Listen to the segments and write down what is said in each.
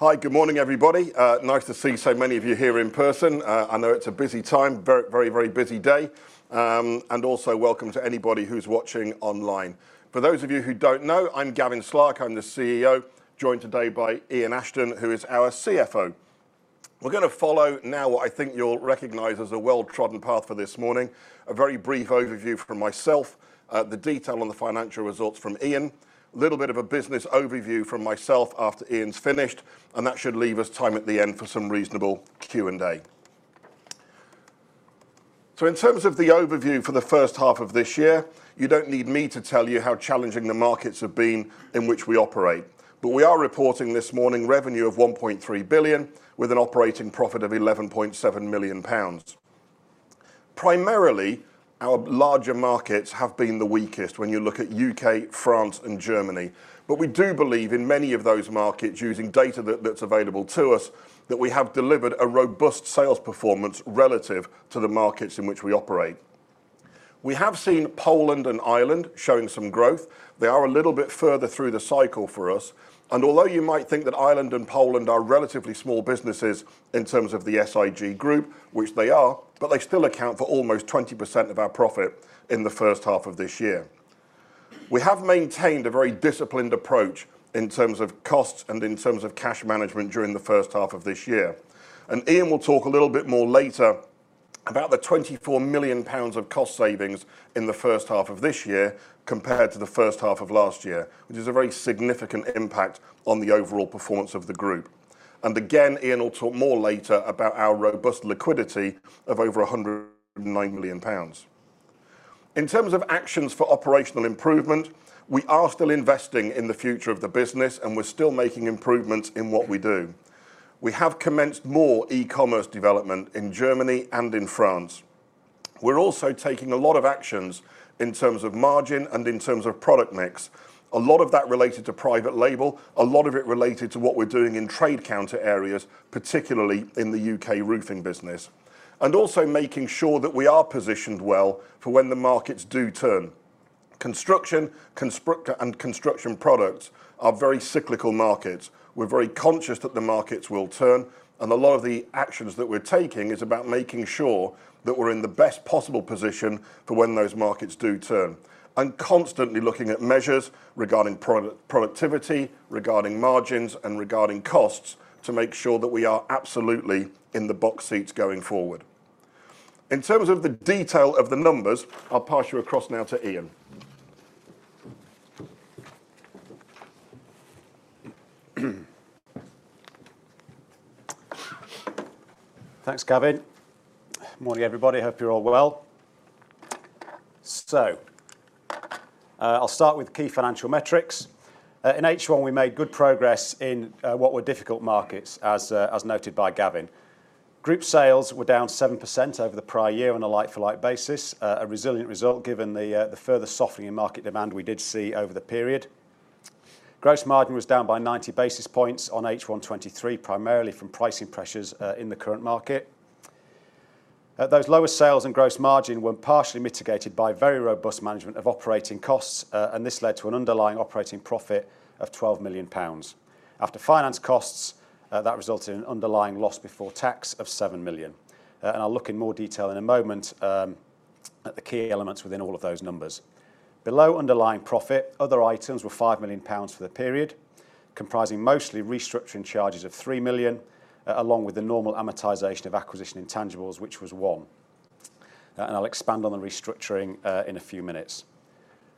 Hi, good morning, everybody. Nice to see so many of you here in person. I know it's a busy time. Very, very, very busy day. And also welcome to anybody who's watching online. For those of you who don't know, I'm Gavin Slark. I'm the CEO, joined today by Ian Ashton, who is our CFO. We're gonna follow now what I think you'll recognize as a well-trodden path for this morning. A very brief overview from myself, the detail on the financial results from Ian, a little bit of a business overview from myself after Ian's finished, and that should leave us time at the end for some reasonable Q&A. So in terms of the overview for the first half of this year, you don't need me to tell you how challenging the markets have been in which we operate. But we are reporting this morning revenue of 1.3 billion, with an operating profit of 11.7 million pounds. Primarily, our larger markets have been the weakest when you look at UK, France, and Germany. But we do believe in many of those markets, using data that, that's available to us, that we have delivered a robust sales performance relative to the markets in which we operate. We have seen Poland and Ireland showing some growth. They are a little bit further through the cycle for us, and although you might think that Ireland and Poland are relatively small businesses in terms of the SIG Group, which they are, but they still account for almost 20% of our profit in the first half of this year. We have maintained a very disciplined approach in terms of costs and in terms of cash management during the first half of this year. Ian will talk a little bit more later about the 24 million pounds of cost savings in the first half of this year, compared to the first half of last year, which is a very significant impact on the overall performance of the group. Ian will talk more later about our robust liquidity of over 109 million pounds. In terms of actions for operational improvement, we are still investing in the future of the business, and we're still making improvements in what we do. We have commenced more e-commerce development in Germany and in France. We're also taking a lot of actions in terms of margin and in terms of product mix. A lot of that related to private label, a lot of it related to what we're doing in trade counter areas, particularly in the UK Roofing business, and also making sure that we are positioned well for when the markets do turn. Construction and construction products are very cyclical markets. We're very conscious that the markets will turn, and a lot of the actions that we're taking is about making sure that we're in the best possible position for when those markets do turn. I'm constantly looking at measures regarding productivity, regarding margins, and regarding costs, to make sure that we are absolutely in the box seats going forward. In terms of the detail of the numbers, I'll pass you across now to Ian. Thanks, Gavin. Morning, everybody. Hope you're all well. So, I'll start with key financial metrics. In H1, we made good progress in what were difficult markets, as noted by Gavin. Group sales were down 7% over the prior year on a like-for-like basis, a resilient result given the further softening in market demand we did see over the period. Gross margin was down by 90 basis points on H1 2023, primarily from pricing pressures in the current market. Those lower sales and gross margin were partially mitigated by very robust management of operating costs, and this led to an underlying operating profit of 12 million pounds. After finance costs, that resulted in an underlying loss before tax of 7 million. I'll look in more detail in a moment, at the key elements within all of those numbers. Below underlying profit, other items were 5 million pounds for the period, comprising mostly restructuring charges of 3 million, along with the normal amortization of acquisition intangibles, which was 1 million. I'll expand on the restructuring in a few minutes.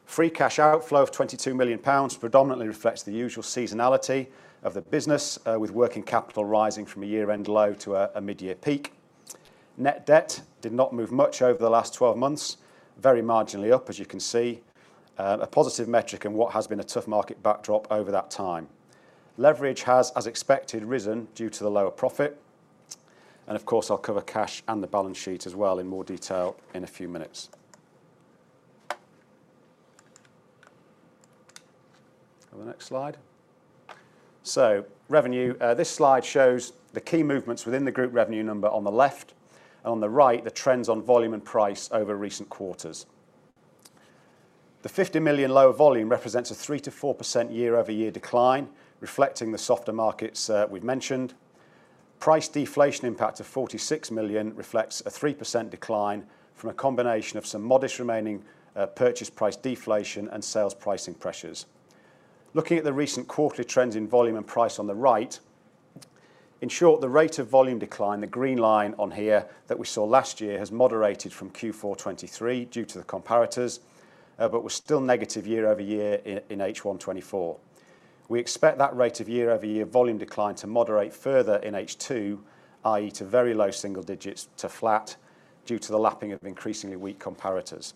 Free cash outflow of 22 million pounds predominantly reflects the usual seasonality of the business, with working capital rising from a year-end low to a mid-year peak. Net debt did not move much over the last 12 months, very marginally up, as you can see, a positive metric in what has been a tough market backdrop over that time. Leverage has, as expected, risen due to the lower profit, and of course, I'll cover cash and the balance sheet as well in more detail in a few minutes. Go the next slide. So revenue, this slide shows the key movements within the group revenue number on the left, and on the right, the trends on volume and price over recent quarters. The 50 million lower volume represents a 3%-4% year-over-year decline, reflecting the softer markets, we've mentioned. Price deflation impact of 46 million reflects a 3% decline from a combination of some modest remaining, purchase price deflation and sales pricing pressures. Looking at the recent quarterly trends in volume and price on the right, in short, the rate of volume decline, the green line on here that we saw last year, has moderated from Q4 2023 due to the comparators, but was still negative year-over-year in H1 2024. We expect that rate of year-over-year volume decline to moderate further in H2, i.e., to very low single digits to flat due to the lapping of increasingly weak comparators.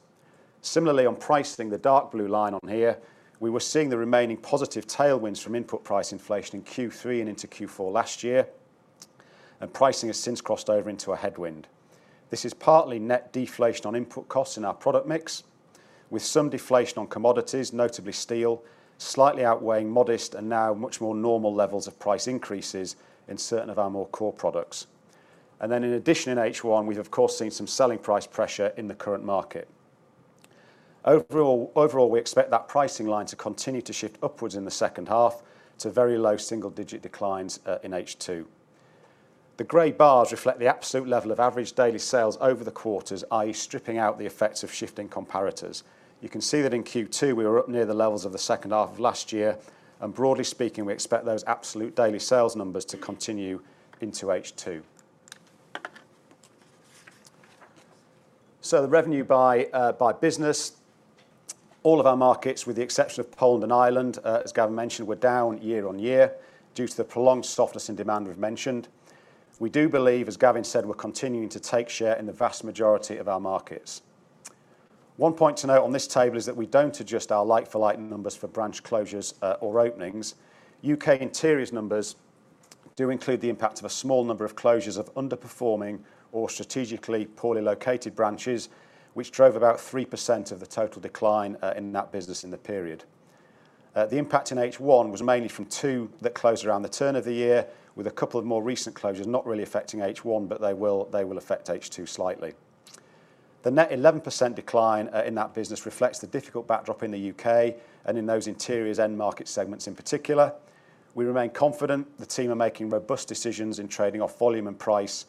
Similarly, on pricing, the dark blue line on here, we were seeing the remaining positive tailwinds from input price inflation in Q3 and into Q4 last year, and pricing has since crossed over into a headwind. This is partly net deflation on input costs in our product mix, with some deflation on commodities, notably steel, slightly outweighing modest and now much more normal levels of price increases in certain of our more core products. And then in addition, in H1, we've of course seen some selling price pressure in the current market. Overall, overall, we expect that pricing line to continue to shift upwards in the second half to very low single-digit declines in H2. The gray bars reflect the absolute level of average daily sales over the quarters, i.e., stripping out the effects of shifting comparators. You can see that in Q2, we were up near the levels of the second half of last year, and broadly speaking, we expect those absolute daily sales numbers to continue into H2. So the revenue by, by business, all of our markets, with the exception of Poland and Ireland, as Gavin mentioned, were down year-on-year due to the prolonged softness in demand we've mentioned. We do believe, as Gavin said, we're continuing to take share in the vast majority of our markets. One point to note on this table is that we don't adjust our like-for-like numbers for branch closures, or openings. UK Interiors numbers do include the impact of a small number of closures of underperforming or strategically poorly located branches, which drove about 3% of the total decline, in that business in the period. The impact in H1 was mainly from two that closed around the turn of the year, with a couple of more recent closures not really affecting H1, but they will, they will affect H2 slightly. The net 11% decline in that business reflects the difficult backdrop in the UK and in those interiors end market segments in particular. We remain confident the team are making robust decisions in trading off volume and price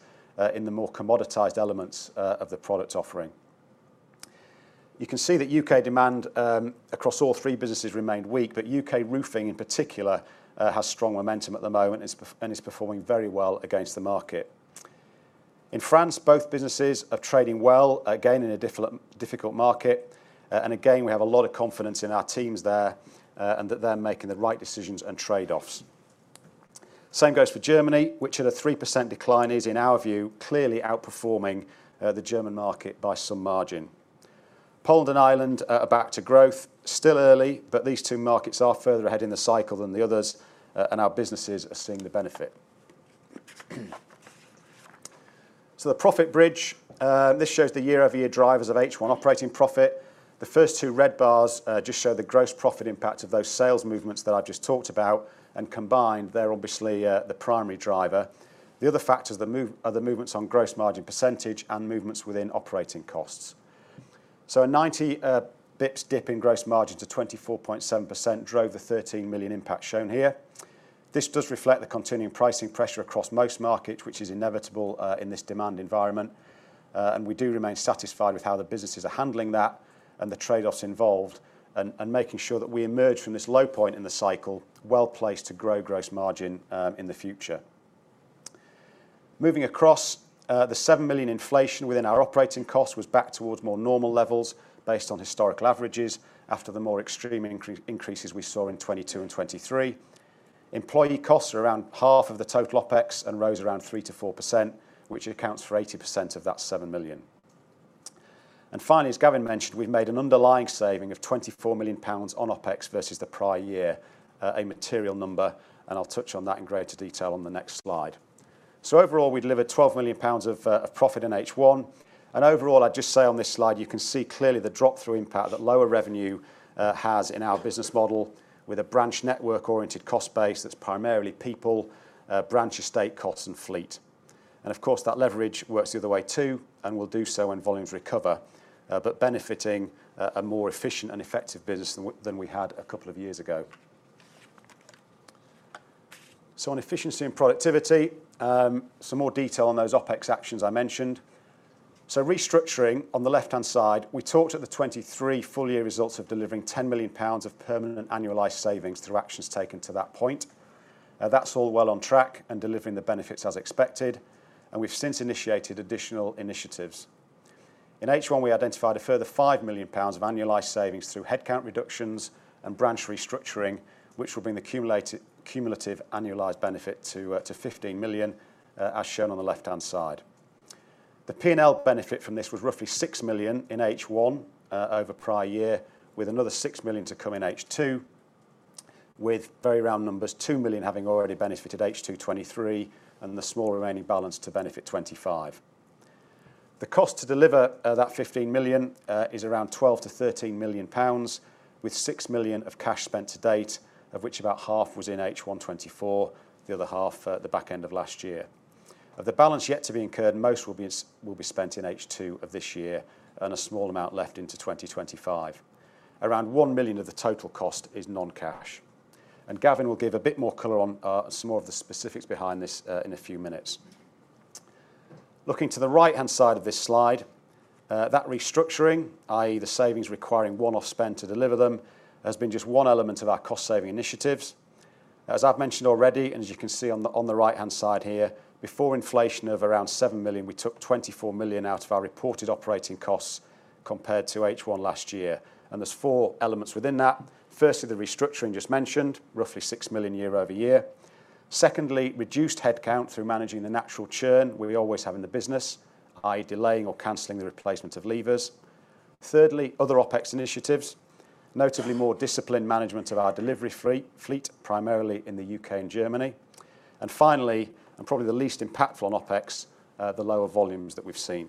in the more commoditized elements of the product offering. You can see that UK demand across all three businesses remained weak, but UK Roofing in particular has strong momentum at the moment, and it's performing very well against the market. In France, both businesses are trading well, again, in a difficult market, and again, we have a lot of confidence in our teams there, and that they're making the right decisions and trade-offs. Same goes for Germany, which at a 3% decline, is, in our view, clearly outperforming the German market by some margin. Poland and Ireland are back to growth. Still early, but these two markets are further ahead in the cycle than the others, and our businesses are seeing the benefit. So the profit bridge, this shows the year-over-year drivers of H1 operating profit. The first two red bars, just show the gross profit impact of those sales movements that I just talked about, and combined, they're obviously, the primary driver. The other factors are the movements on gross margin percentage and movements within operating costs. So a 90 basis points dip in gross margin to 24.7% drove the 13 million impact shown here. This does reflect the continuing pricing pressure across most markets, which is inevitable, in this demand environment, and we do remain satisfied with how the businesses are handling that and the trade-offs involved and, and making sure that we emerge from this low point in the cycle well-placed to grow gross margin, in the future. Moving across, the 7 million inflation within our operating costs was back towards more normal levels based on historical averages after the more extreme increases we saw in 2022 and 2023. Employee costs are around half of the total OpEx and rose around 3%-4%, which accounts for 80% of that 7 million. And finally, as Gavin mentioned, we've made an underlying saving of 24 million pounds on OpEx versus the prior year, a material number, and I'll touch on that in greater detail on the next slide. So overall, we delivered 12 million pounds of profit in H1. And overall, I'd just say on this slide, you can see clearly the drop-through impact that lower revenue has in our business model with a branch network-oriented cost base that's primarily people, branch estate costs, and fleet. And of course, that leverage works the other way, too, and will do so when volumes recover, but benefiting a more efficient and effective business than we had a couple of years ago. So on efficiency and productivity, some more detail on those OpEx actions I mentioned. So restructuring, on the left-hand side, we talked at the 2023 full-year results of delivering 10 million pounds of permanent annualized savings through actions taken to that point. That's all well on track and delivering the benefits as expected, and we've since initiated additional initiatives. In H1, we identified a further 5 million pounds of annualized savings through headcount reductions and branch restructuring, which will bring the cumulated, cumulative annualized benefit to fifteen million, as shown on the left-hand side. The P&L benefit from this was roughly 6 million in H1 over prior year, with another 6 million to come in H2, with very round numbers, 2 million having already benefited H2 2023, and the small remaining balance to benefit 2025. The cost to deliver that 15 million is around 12-13 million pounds, with 6 million of cash spent to date, of which about half was in H1 2024, the other half the back end of last year. Of the balance yet to be incurred, most will be, will be spent in H2 of this year, and a small amount left into 2025. Around 1 million of the total cost is non-cash, and Gavin will give a bit more color on some more of the specifics behind this in a few minutes. Looking to the right-hand side of this slide, that restructuring, i.e., the savings requiring one-off spend to deliver them, has been just one element of our cost-saving initiatives. As I've mentioned already, and as you can see on the right-hand side here, before inflation of around 7 million, we took 24 million out of our reported operating costs compared to H1 last year, and there's four elements within that. Firstly, the restructuring just mentioned, roughly 6 million year-over-year. Secondly, reduced headcount through managing the natural churn we always have in the business, i.e., delaying or canceling the replacement of leavers. Thirdly, other OpEx initiatives, notably more disciplined management of our delivery fleet, primarily in the UK and Germany. And finally, and probably the least impactful on OpEx, the lower volumes that we've seen.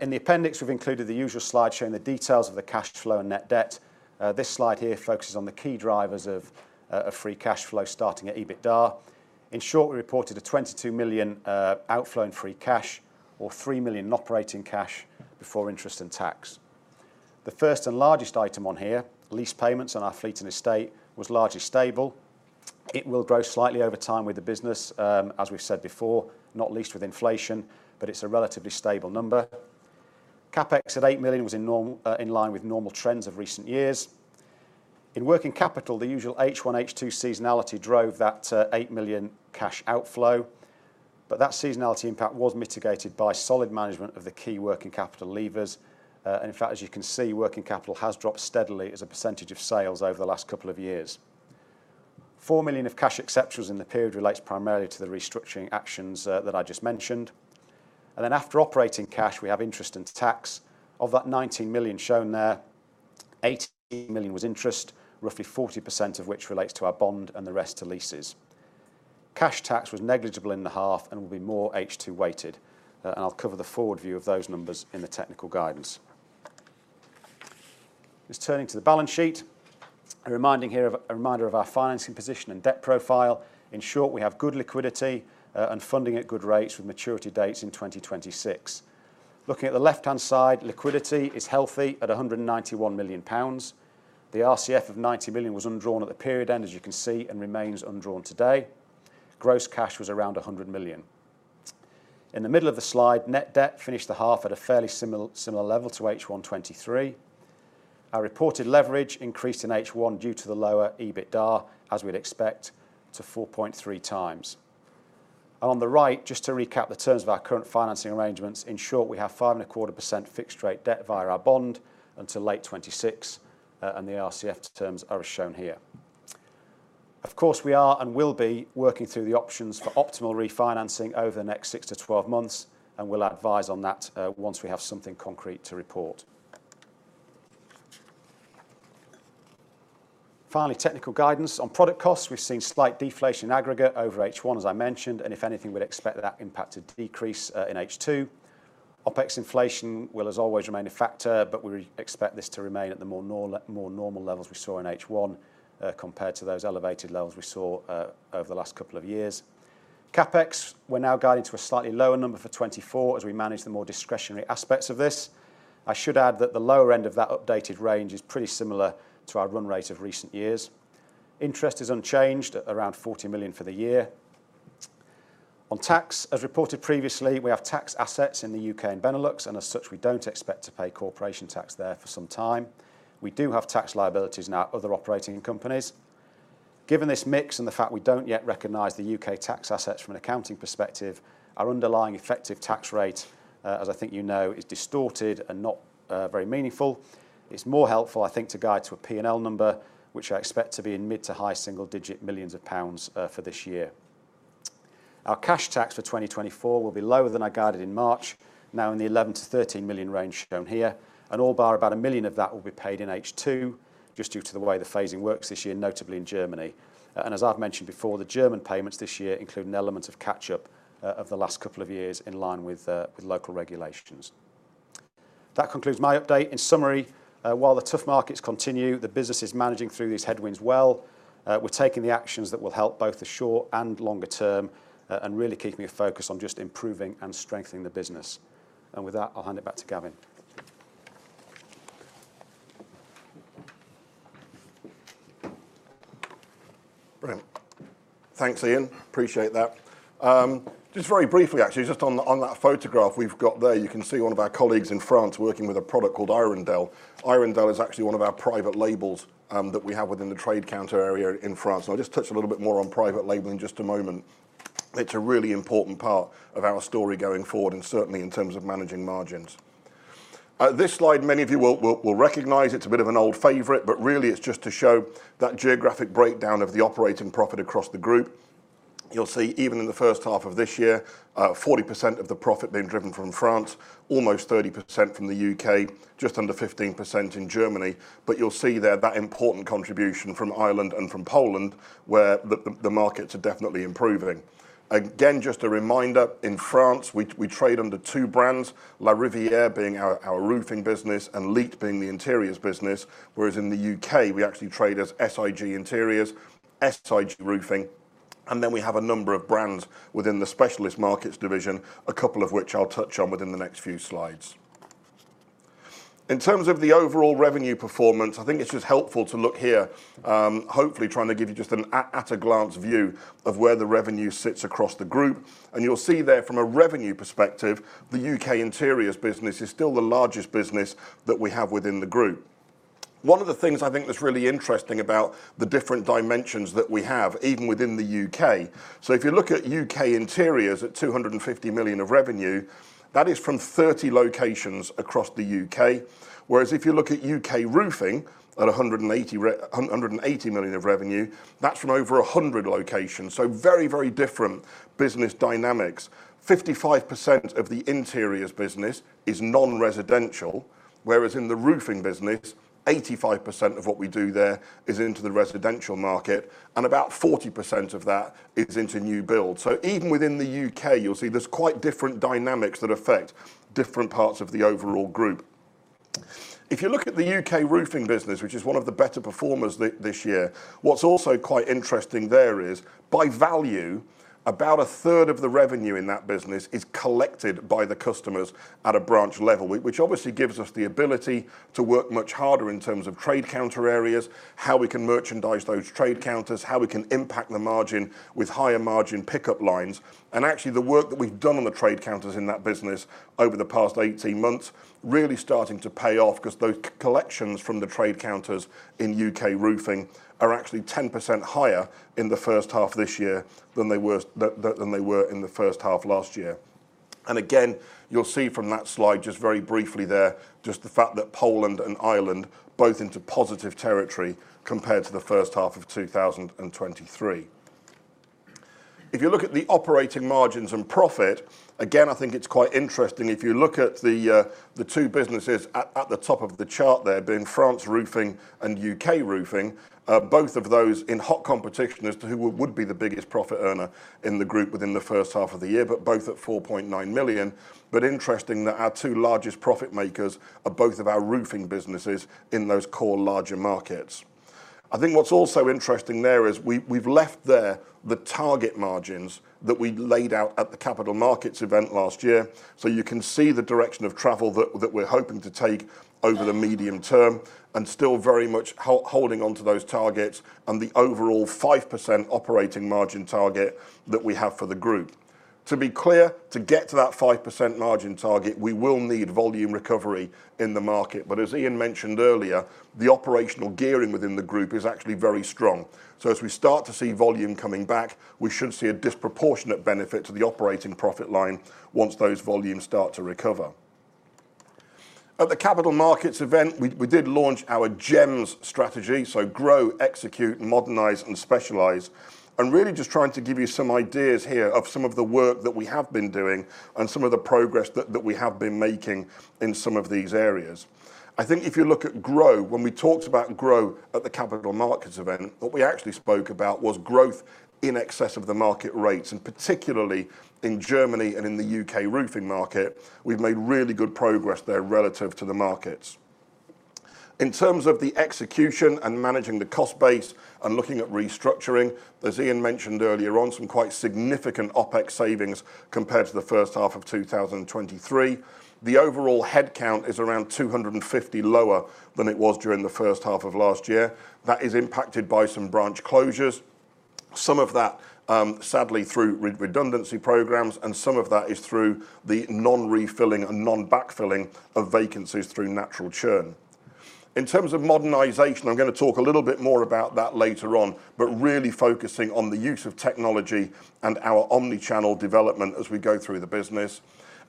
In the appendix, we've included the usual slide showing the details of the cash flow and net debt. This slide here focuses on the key drivers of free cash flow, starting at EBITDA. In short, we reported a 22 million outflow in free cash or 3 million in operating cash before interest and tax. The first and largest item on here, lease payments on our fleet and estate, was largely stable. It will grow slightly over time with the business, as we've said before, not least with inflation, but it's a relatively stable number. CapEx at 8 million was in norm, in line with normal trends of recent years. In working capital, the usual H1, H2 seasonality drove that 8 million cash outflow, but that seasonality impact was mitigated by solid management of the key working capital levers. And in fact, as you can see, working capital has dropped steadily as a percentage of sales over the last couple of years. 4 million of cash exceptionals in the period relates primarily to the restructuring actions that I just mentioned. And then after operating cash, we have interest and tax. Of that 19 million shown there, 18 million was interest, roughly 40% of which relates to our bond and the rest to leases. Cash tax was negligible in the half and will be more H2 weighted, and I'll cover the forward view of those numbers in the technical guidance. Just turning to the balance sheet, a reminder here of our financing position and debt profile. In short, we have good liquidity and funding at good rates, with maturity dates in 2026. Looking at the left-hand side, liquidity is healthy at 191 million pounds. The RCF of 90 million was undrawn at the period end, as you can see, and remains undrawn today. Gross cash was around 100 million. In the middle of the slide, net debt finished the half at a fairly similar, similar level to H1 2023. Our reported leverage increased in H1 due to the lower EBITDA, as we'd expect, to 4.3 times. On the right, just to recap the terms of our current financing arrangements, in short, we have 5.25% fixed rate debt via our bond until late 2026, and the RCF terms are as shown here. Of course, we are and will be working through the options for optimal refinancing over the next 6 to 12 months, and we'll advise on that once we have something concrete to report. Finally, technical guidance. On product costs, we've seen slight deflation in aggregate over H1, as I mentioned, and if anything, we'd expect that impact to decrease in H2. OpEx inflation will, as always, remain a factor, but we expect this to remain at the more normal levels we saw in H1 compared to those elevated levels we saw over the last couple of years. CapEx, we're now guiding to a slightly lower number for 2024 as we manage the more discretionary aspects of this. I should add that the lower end of that updated range is pretty similar to our run rate of recent years. Interest is unchanged at around 40 million for the year. On tax, as reported previously, we have tax assets in the UK and Benelux, and as such, we don't expect to pay corporation tax there for some time. We do have tax liabilities in our other operating companies. Given this mix and the fact we don't yet recognize the UK tax assets from an accounting perspective, our underlying effective tax rate, as I think you know, is distorted and not, very meaningful. It's more helpful, I think, to guide to a P&L number, which I expect to be in mid- to high-single-digit millions pounds, for this year. Our cash tax for 2024 will be lower than I guided in March, now in the 11-13 million range shown here, and all bar about 1 million of that will be paid in H2, just due to the way the phasing works this year, notably in Germany. And as I've mentioned before, the German payments this year include an element of catch-up, of the last couple of years, in line with, with local regulations. That concludes my update. In summary, while the tough markets continue, the business is managing through these headwinds well. We're taking the actions that will help both the short and longer term, and really keeping a focus on just improving and strengthening the business. And with that, I'll hand it back to Gavin. Brilliant. Thanks, Ian. Appreciate that. Just very briefly, actually, just on, on that photograph we've got there, you can see one of our colleagues in France working with a product called Hirondelle. Hirondelle is actually one of our private labels, that we have within the trade counter area in France. I'll just touch a little bit more on private labeling in just a moment. It's a really important part of our story going forward, and certainly in terms of managing margins. This slide, many of you will recognize it's a bit of an old favorite, but really, it's just to show that geographic breakdown of the operating profit across the group. You'll see, even in the first half of this year, 40% of the profit being driven from France, almost 30% from the UK, just under 15% in Germany, but you'll see there that important contribution from Ireland and from Poland, where the markets are definitely improving. Again, just a reminder, in France, we trade under two brands, Larivière being our roofing business, and LiTT being the interiors business, whereas in the UK, we actually trade as SIG Interiors, SIG Roofing, and then we have a number of brands within the Specialist Markets division, a couple of which I'll touch on within the next few slides. In terms of the overall revenue performance, I think it's just helpful to look here, hopefully trying to give you just an at-a-glance view of where the revenue sits across the group, and you'll see there, from a revenue perspective, the UK Interiors business is still the largest business that we have within the group. One of the things I think that's really interesting about the different dimensions that we have, even within the UK, so if you look at UK Interiors at 250 million of revenue, that is from 30 locations across the UK, whereas if you look at UK Roofing, at 180 million of revenue, that's from over 100 locations, so very, very different business dynamics. 55% of the Interiors business is non-residential- -whereas in the roofing business, 85% of what we do there is into the residential market, and about 40% of that is into new build. So even within the UK, you'll see there's quite different dynamics that affect different parts of the overall group. If you look at the UK Roofing business, which is one of the better performers this year, what's also quite interesting there is, by value, about a third of the revenue in that business is collected by the customers at a branch level, which obviously gives us the ability to work much harder in terms of trade counter areas, how we can merchandise those trade counters, how we can impact the margin with higher margin pickup lines. Actually, the work that we've done on the trade counters in that business over the past 18 months really starting to pay off, 'cause those collections from the trade counters in UK Roofing are actually 10% higher in the first half of this year than they were than they were in the first half last year. And again, you'll see from that slide, just very briefly there, just the fact that Poland and Ireland, both into positive territory compared to the first half of 2023. If you look at the operating margins and profit, again, I think it's quite interesting. If you look at the two businesses at the top of the chart there, being France Roofing and UK Roofing, both of those in hot competition as to who would be the biggest profit earner in the group within the first half of the year, but both at 4.9 million. But interesting that our two largest profit makers are both of our roofing businesses in those core larger markets. I think what's also interesting there is we've left there the target margins that we laid out at the Capital Markets Event last year. So you can see the direction of travel that we're hoping to take over the medium term, and still very much holding onto those targets and the overall 5% operating margin target that we have for the group. To be clear, to get to that 5% margin target, we will need volume recovery in the market. But as Ian mentioned earlier, the operational gearing within the group is actually very strong. So as we start to see volume coming back, we should see a disproportionate benefit to the operating profit line once those volumes start to recover. At the Capital Markets Event, we did launch our GEMS strategy, so Grow, Execute, Modernise, and Specialise, and really just trying to give you some ideas here of some of the work that we have been doing and some of the progress that we have been making in some of these areas. I think if you look at Grow, when we talked about Grow at the Capital Markets Event, what we actually spoke about was growth in excess of the market rates, and particularly in Germany and in the UK Roofing market, we've made really good progress there relative to the markets. In terms of the execution and managing the cost base and looking at restructuring, as Ian mentioned earlier on, some quite significant OpEx savings compared to the first half of 2023. The overall headcount is around 250 lower than it was during the first half of last year. That is impacted by some branch closures. Some of that, sadly through redundancy programmes, and some of that is through the non-refilling and non-backfilling of vacancies through natural churn. In terms of modernization, I'm gonna talk a little bit more about that later on, but really focusing on the use of technology and our omni-channel development as we go through the business.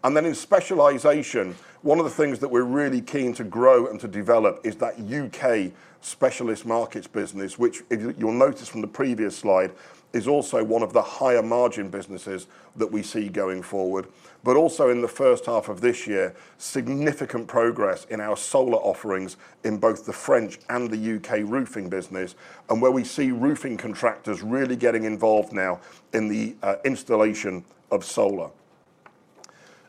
And then in specialization, one of the things that we're really keen to grow and to develop is that UK Specialist Markets business, which you'll notice from the previous slide, is also one of the higher margin businesses that we see going forward. But also in the first half of this year, significant progress in our solar offerings in both the French and the UK Roofing business, and where we see roofing contractors really getting involved now in the installation of solar.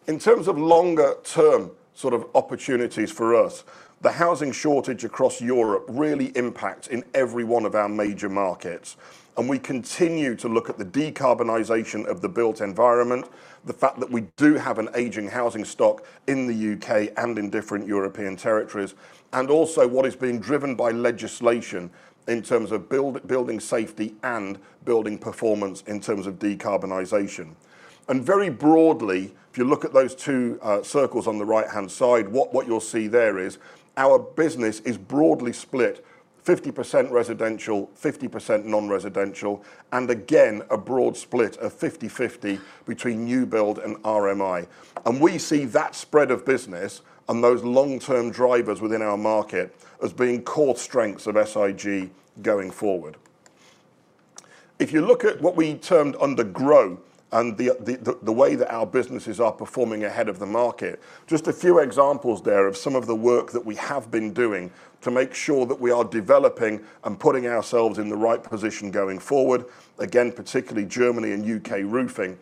In terms of longer term sort of opportunities for us, the housing shortage across Europe really impacts in every one of our major markets, and we continue to look at the decarbonization of the built environment, the fact that we do have an aging housing stock in the UK and in different European territories, and also what is being driven by legislation in terms of building safety and building performance in terms of decarbonization. Very broadly, if you look at those two circles on the right-hand side, what you'll see there is our business is broadly split, 50% residential, 50% non-residential, and again, a broad split of 50/50 between new build and RMI. And we see that spread of business and those long-term drivers within our market as being core strengths of SIG going forward. If you look at what we termed under Grow and the way that our businesses are performing ahead of the market, just a few examples there of some of the work that we have been doing to make sure that we are developing and putting ourselves in the right position going forward, again, particularly Germany and UK Roofing.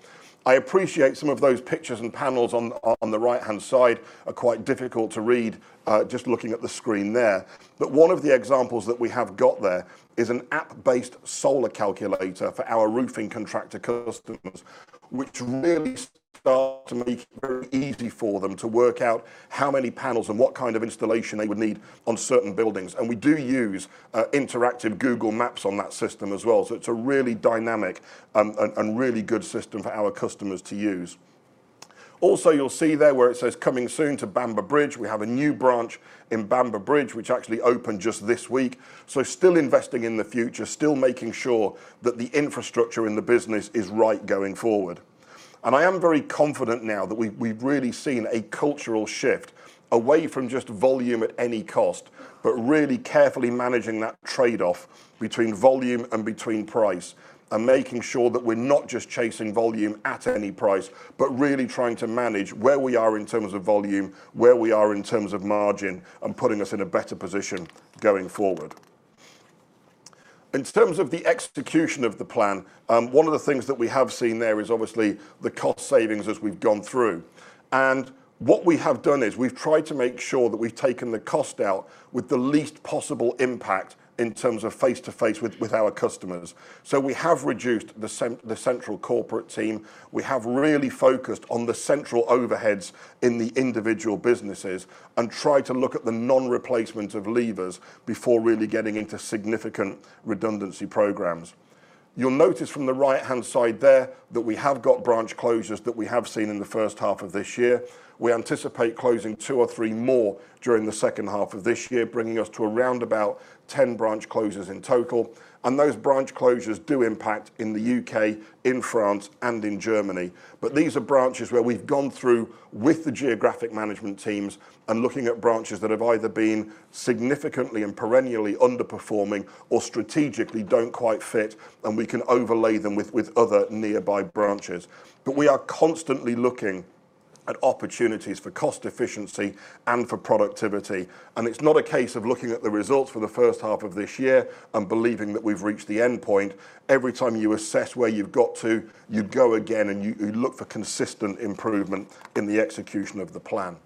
I appreciate some of those pictures and panels on the right-hand side are quite difficult to read, just looking at the screen there. But one of the examples that we have got there is an app-based solar calculator for our roofing contractor customers, which really start to make it very easy for them to work out how many panels and what kind of installation they would need on certain buildings. And we do use interactive Google Maps on that system as well. So it's a really dynamic, and really good system for our customers to use. Also, you'll see there where it says, "Coming soon to Bamber Bridge," we have a new branch in Bamber Bridge, which actually opened just this week. So still investing in the future, still making sure that the infrastructure in the business is right going forward. And I am very confident now that we, we've really seen a cultural shift away from just volume at any cost, but really carefully managing that trade-off between volume and between price, and making sure that we're not just chasing volume at any price, but really trying to manage where we are in terms of volume, where we are in terms of margin, and putting us in a better position going forward. In terms of the execution of the plan, one of the things that we have seen there is obviously the cost savings as we've gone through. What we have done is we've tried to make sure that we've taken the cost out with the least possible impact in terms of face-to-face with our customers. We have reduced the central corporate team. We have really focused on the central overheads in the individual businesses and tried to look at the non-replacement of leavers before really getting into significant redundancy programs. You'll notice from the right-hand side there that we have got branch closures that we have seen in the first half of this year. We anticipate closing 2 or 3 more during the second half of this year, bringing us to around about 10 branch closures in total, and those branch closures do impact in the UK, in France, and in Germany. But these are branches where we've gone through with the geographic management teams and looking at branches that have either been significantly and perennially underperforming or strategically don't quite fit, and we can overlay them with, with other nearby branches. But we are constantly looking at opportunities for cost efficiency and for productivity, and it's not a case of looking at the results for the first half of this year and believing that we've reached the endpoint. Every time you assess where you've got to, you go again, and you, you look for consistent improvement in the execution of the plan.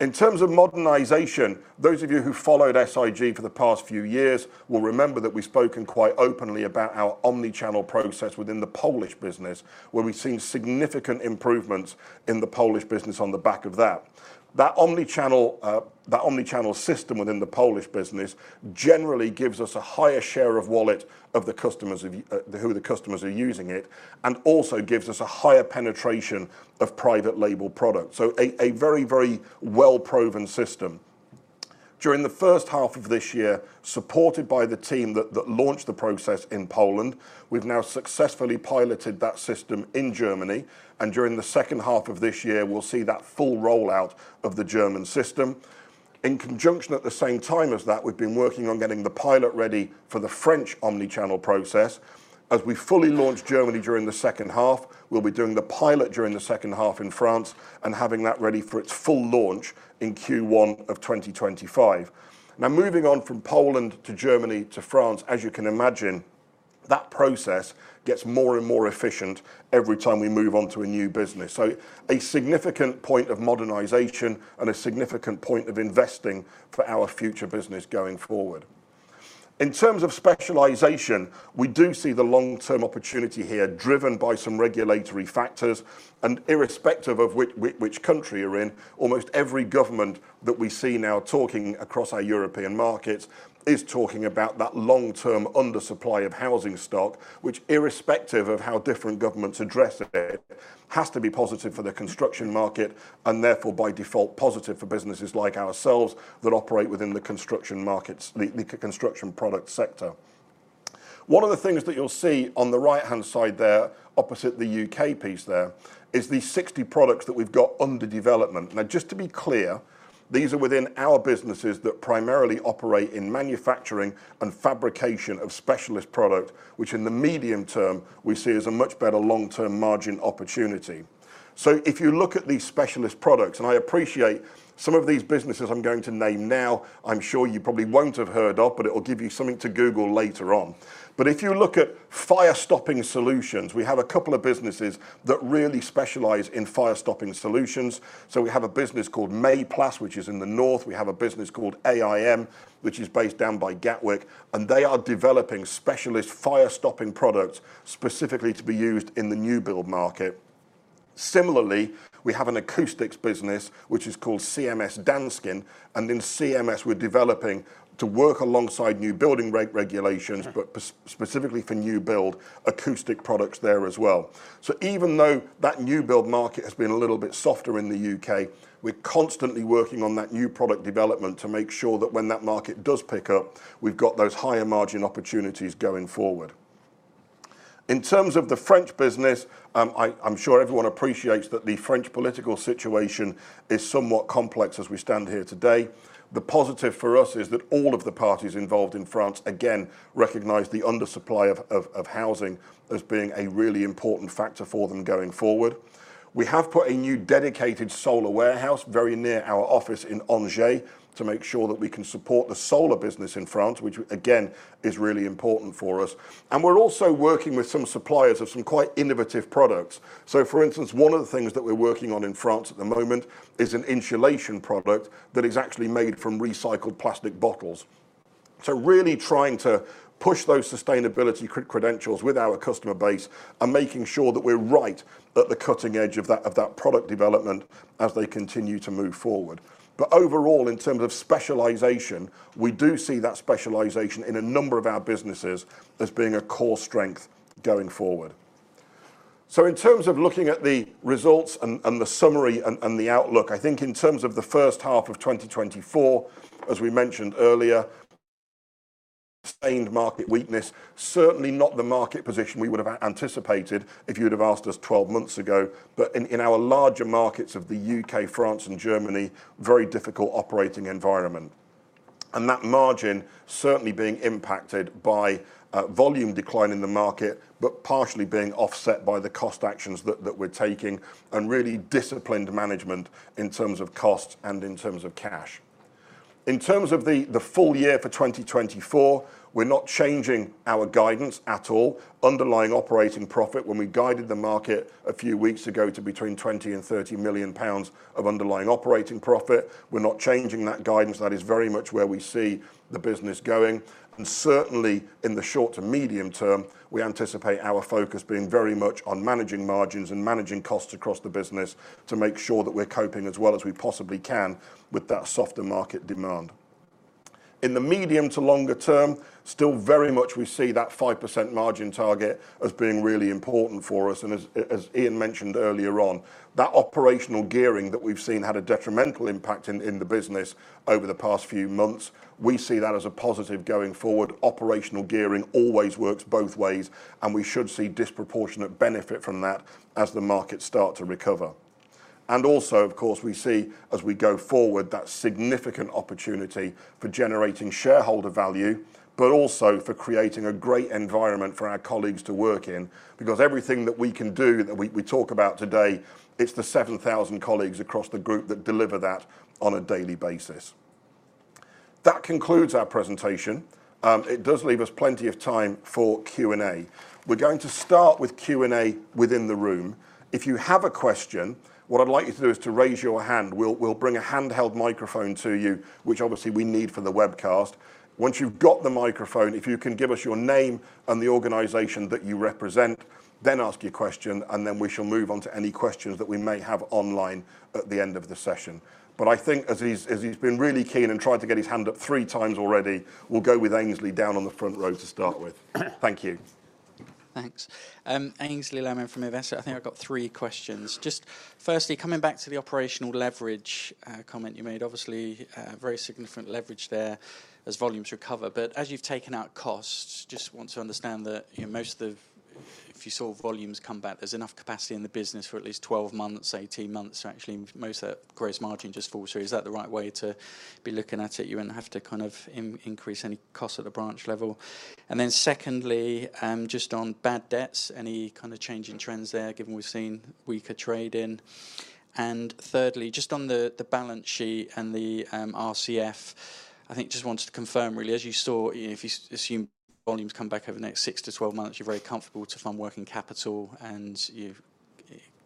In terms of modernization, those of you who followed SIG for the past few years will remember that we've spoken quite openly about our omni-channel process within the Polish business, where we've seen significant improvements in the Polish business on the back of that. That omni-channel system within the Polish business generally gives us a higher share of wallet of the customers who the customers are using it, and also gives us a higher penetration of private label products. So a very, very well-proven system. During the first half of this year, supported by the team that launched the process in Poland, we've now successfully piloted that system in Germany, and during the second half of this year, we'll see that full rollout of the German system. In conjunction at the same time as that, we've been working on getting the pilot ready for the French omni-channel process. As we fully launch Germany during the second half, we'll be doing the pilot during the second half in France and having that ready for its full launch in Q1 of 2025. Now, moving on from Poland to Germany to France, as you can imagine, that process gets more and more efficient every time we move on to a new business. So a significant point of modernization and a significant point of investing for our future business going forward. In terms of specialization, we do see the long-term opportunity here, driven by some regulatory factors, and irrespective of which country you're in, almost every government that we see now talking across our European markets is talking about that long-term undersupply of housing stock, which, irrespective of how different governments address it, has to be positive for the construction market and therefore, by default, positive for businesses like ourselves that operate within the construction markets, the construction product sector. One of the things that you'll see on the right-hand side there, opposite the UK piece there, is the 60 products that we've got under development. Now, just to be clear, these are within our businesses that primarily operate in manufacturing and fabrication of specialist product, which in the medium term, we see as a much better long-term margin opportunity. So if you look at these specialist products, and I appreciate some of these businesses I'm going to name now, I'm sure you probably won't have heard of, but it'll give you something to Google later on. But if you look at fire stopping solutions, we have a couple of businesses that really specialize in fire stopping solutions. So we have a business called Mayplas, which is in the north. We have a business called AIM, which is based down by Gatwick, and they are developing specialist fire stopping products specifically to be used in the new build market. Similarly, we have an acoustics business, which is called CMS Danskin, and in CMS, we're developing to work alongside new building regulations, but specifically for new build acoustic products there as well. So even though that new build market has been a little bit softer in the UK, we're constantly working on that new product development to make sure that when that market does pick up, we've got those higher margin opportunities going forward. In terms of the French business, I'm sure everyone appreciates that the French political situation is somewhat complex as we stand here today. The positive for us is that all of the parties involved in France, again, recognize the undersupply of housing as being a really important factor for them going forward. We have put a new dedicated solar warehouse very near our office in Angers to make sure that we can support the solar business in France, which, again, is really important for us. And we're also working with some suppliers of some quite innovative products. So, for instance, one of the things that we're working on in France at the moment is an insulation product that is actually made from recycled plastic bottles. So really trying to push those sustainability credentials with our customer base and making sure that we're right at the cutting edge of that, of that product development as they continue to move forward. But overall, in terms of specialization, we do see that specialization in a number of our businesses as being a core strength going forward. So in terms of looking at the results and the summary and the outlook, I think in terms of the first half of 2024, as we mentioned earlier, sustained market weakness, certainly not the market position we would have anticipated if you would have asked us 12 months ago. But in our larger markets of the UK, France, and Germany, very difficult operating environment. And that margin certainly being impacted by volume decline in the market, but partially being offset by the cost actions that we're taking, and really disciplined management in terms of cost and in terms of cash. In terms of the full year for 2024, we're not changing our guidance at all. Underlying operating profit, when we guided the market a few weeks ago, to between 20 million and 30 million pounds of underlying operating profit, we're not changing that guidance. That is very much where we see the business going, and certainly in the short to medium term, we anticipate our focus being very much on managing margins and managing costs across the business to make sure that we're coping as well as we possibly can with that softer market demand. In the medium to longer term, still very much we see that 5% margin target as being really important for us, and as, as Ian mentioned earlier on, that operational gearing that we've seen had a detrimental impact in, in the business over the past few months. We see that as a positive going forward. Operational gearing always works both ways, and we should see disproportionate benefit from that as the markets start to recover. And also, of course, we see as we go forward, that significant opportunity for generating shareholder value, but also for creating a great environment for our colleagues to work in. Because everything that we can do, that we, we talk about today, it's the 7,000 colleagues across the group that deliver that on a daily basis. That concludes our presentation. It does leave us plenty of time for Q&A. We're going to start with Q&A within the room. If you have a question, what I'd like you to do is to raise your hand. We'll bring a handheld microphone to you, which obviously we need for the webcast. Once you've got the microphone, if you can give us your name and the organization that you represent, then ask your question, and then we shall move on to any questions that we may have online at the end of the session. But I think as he's been really keen and tried to get his hand up three times already, we'll go with Aynsley down on the front row to start with. Thank you. Thanks. Aynsley Lammin from Investec. I think I've got three questions. Just firstly, coming back to the operational leverage comment you made. Obviously, very significant leverage there as volumes recover, but as you've taken out costs, just want to understand that, you know, most of the—if you saw volumes come back, there's enough capacity in the business for at least 12 months, 18 months. So actually, most of that gross margin just falls through. Is that the right way to be looking at it? You wouldn't have to kind of increase any costs at a branch level. And then secondly, just on bad debts, any kind of change in trends there, given we've seen weaker trade in? And thirdly, just on the balance sheet and the RCF, I think just wanted to confirm, really, as you saw, if you assume volumes come back over the next six to 12 months, you're very comfortable to fund working capital and you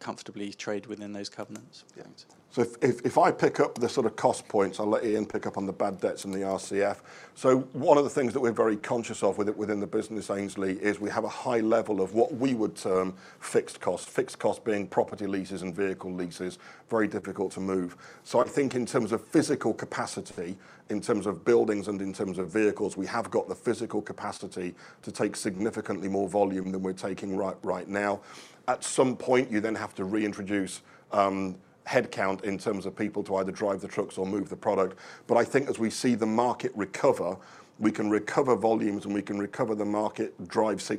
comfortably trade within those covenants? Yeah. So if I pick up the sort of cost points, I'll let Ian pick up on the bad debts and the RCF. So one of the things that we're very conscious of within the business, Aynsley, is we have a high level of what we would term fixed costs. Fixed costs being property leases and vehicle leases, very difficult to move. So I think in terms of physical capacity, in terms of buildings and in terms of vehicles, we have got the physical capacity to take significantly more volume than we're taking right now. At some point, you then have to reintroduce headcount in terms of people to either drive the trucks or move the product. But I think as we see the market recover, we can recover volumes, and we can drive the market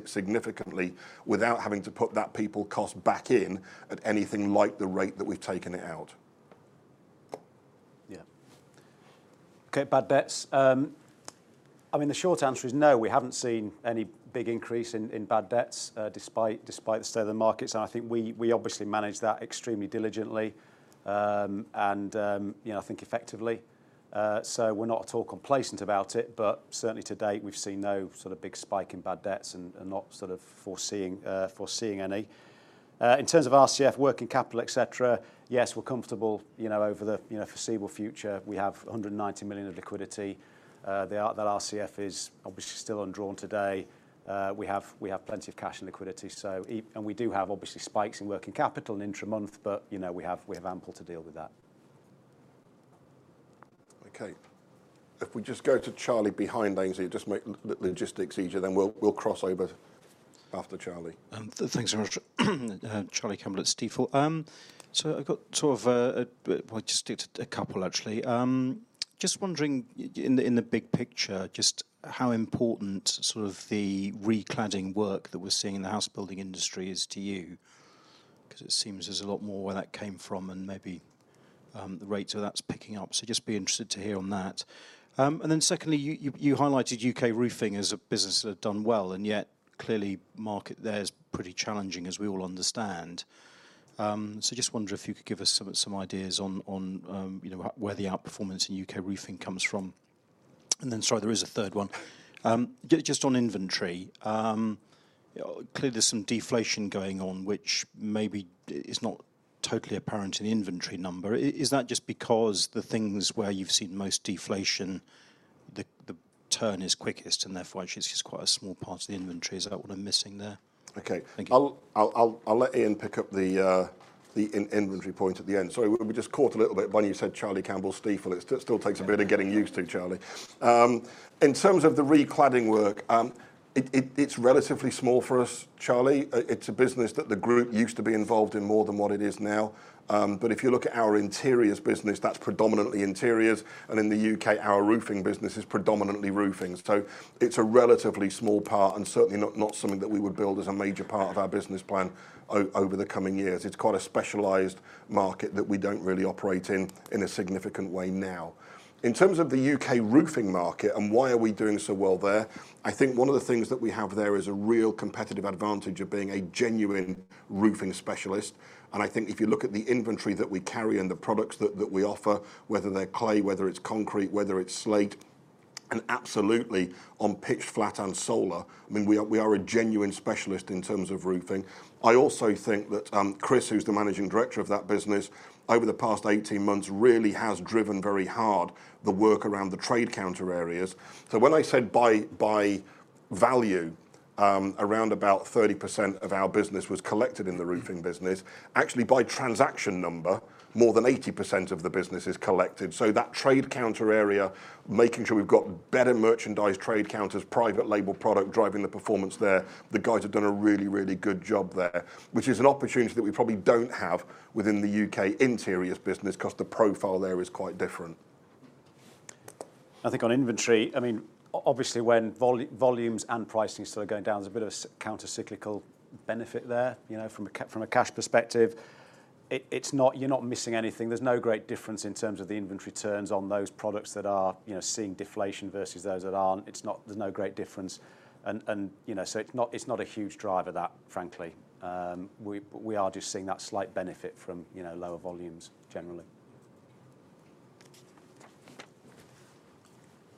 significantly without having to put that people cost back in at anything like the rate that we've taken it out. Yeah. Okay, bad debts. I mean, the short answer is no, we haven't seen any big increase in, in bad debts, despite, despite the state of the markets, and I think we, we obviously manage that extremely diligently, and, you know, I think effectively. So we're not at all complacent about it, but certainly to date, we've seen no sort of big spike in bad debts and, and not sort of foreseeing, foreseeing any. In terms of RCF working capital, et cetera, yes, we're comfortable, you know, over the, you know, foreseeable future. We have 190 million of liquidity. The RCF is obviously still undrawn today. We have plenty of cash and liquidity, so and we do have obviously spikes in working capital and intra month, but, you know, we have ample to deal with that. Okay, if we just go to Charlie behind Aynsley, it just makes logistics easier, then we'll, we'll cross over after Charlie. Thanks very much. Charlie Campbell at Stifel. So I've got sort of a- well, just a couple actually. Just wondering in the big picture, just how important sort of the recladding work that we're seeing in the house building industry is to you? 'Cause it seems there's a lot more where that came from and maybe, the rates of that's picking up. So just be interested to hear on that. And then secondly, you highlighted UK Roofing as a business that had done well, and yet clearly market there is pretty challenging, as we all understand. So just wonder if you could give us some ideas on, you know, where the outperformance in UK Roofing comes from. And then, sorry, there is a third one. Just, just on inventory, clearly there's some deflation going on, which maybe is not totally apparent in the inventory number. Is that just because the things where you've seen the most deflation, the turn is quickest and therefore it's just quite a small part of the inventory? Is that what I'm missing there? Okay. Thank you. I'll let Ian pick up the inventory point at the end. Sorry, we just caught a little bit when you said Charlie Campbell, Stifel. It still takes a bit of getting used to, Charlie. In terms of the recladding work, it's relatively small for us, Charlie. It's a business that the group used to be involved in more than what it is now. But if you look at our interiors business, that's predominantly interiors, and in the UK, our Roofing business is predominantly roofing. So it's a relatively small part and certainly not something that we would build as a major part of our business plan over the coming years. It's quite a specialized market that we don't really operate in a significant way now. In terms of the UK Roofing market and why are we doing so well there? I think one of the things that we have there is a real competitive advantage of being a genuine roofing specialist. And I think if you look at the inventory that we carry and the products that, that we offer, whether they're clay, whether it's concrete, whether it's slate. And absolutely on pitched flat and solar, I mean, we are, we are a genuine specialist in terms of roofing. I also think that Chris, who's the Managing Director of that business, over the past 18 months, really has driven very hard the work around the trade counter areas. So when I said by, by value, around about 30% of our business was collected in the roofing business, actually, by transaction number, more than 80% of the business is collected. So that trade counter area, making sure we've got better merchandise, trade counters, private label product, driving the performance there, the guys have done a really, really good job there, which is an opportunity that we probably don't have within the UK Interiors business, because the profile there is quite different. I think on inventory, I mean, obviously, when volumes and pricing still are going down, there's a bit of a countercyclical benefit there. You know, from a cash perspective, it's not-- you're not missing anything. There's no great difference in terms of the inventory turns on those products that are, you know, seeing deflation versus those that aren't. It's not, there's no great difference. You know, so it's not, it's not a huge driver that, frankly. We are just seeing that slight benefit from, you know, lower volumes generally.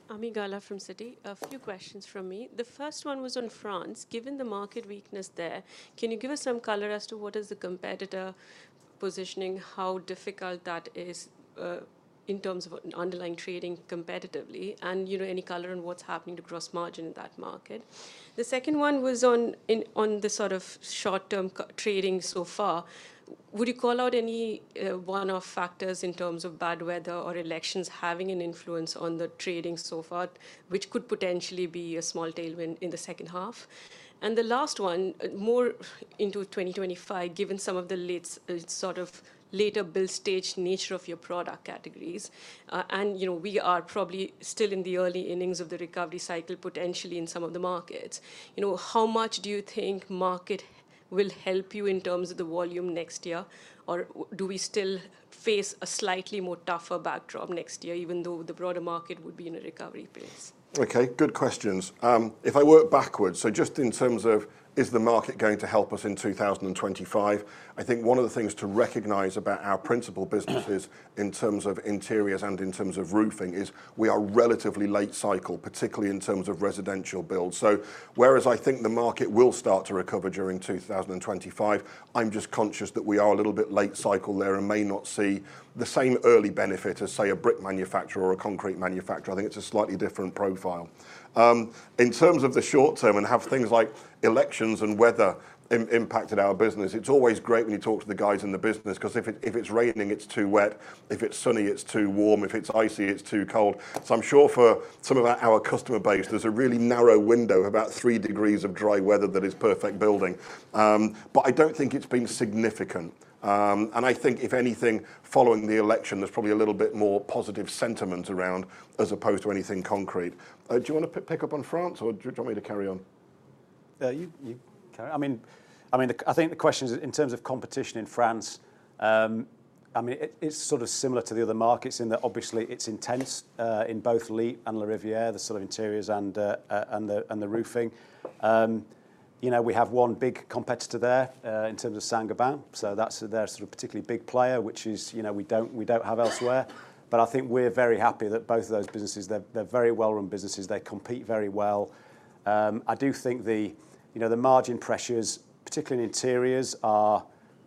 Ami Galla from Citi. A few questions from me. The first one was on France. Given the market weakness there, can you give us some color as to what is the competitor positioning, how difficult that is, in terms of underlying trading competitively, and, you know, any color on what's happening to gross margin in that market? The second one was on the sort of short-term trading so far. Would you call out any, one-off factors in terms of bad weather or elections having an influence on the trading so far, which could potentially be a small tailwind in the second half? The last one, more into 2025, given some of the late, sort of later build stage nature of your product categories, and, you know, we are probably still in the early innings of the recovery cycle, potentially in some of the markets. You know, how much do you think market will help you in terms of the volume next year? Or do we still face a slightly more tougher backdrop next year, even though the broader market would be in a recovery phase? Okay, good questions. If I work backwards, so just in terms of, is the market going to help us in 2025? I think one of the things to recognize about our principal businesses in terms of interiors and in terms of roofing, is we are relatively late cycle, particularly in terms of residential build. So whereas I think the market will start to recover during 2025, I'm just conscious that we are a little bit late cycle there and may not see the same early benefit as, say, a brick manufacturer or a concrete manufacturer. I think it's a slightly different profile. In terms of the short term, and have things like elections and weather impacted our business, it's always great when you talk to the guys in the business, because if it's raining, it's too wet, if it's sunny, it's too warm, if it's icy, it's too cold. So I'm sure for some of our customer base, there's a really narrow window, about three degrees of dry weather that is perfect building. But I don't think it's been significant. And I think if anything, following the election, there's probably a little bit more positive sentiment around as opposed to anything concrete. Do you want to pick up on France, or do you want me to carry on? Yeah, I mean, I think the question is in terms of competition in France. I mean, it's sort of similar to the other markets in that obviously it's intense in both LiTT and Larivière, the sort of interiors and the roofing. You know, we have one big competitor there in terms of Saint-Gobain, so that's, they're sort of a particularly big player, which is, you know, we don't have elsewhere. But I think we're very happy that both of those businesses, they're very well run businesses. They compete very well. I do think, you know, the margin pressures, particularly in interiors, are,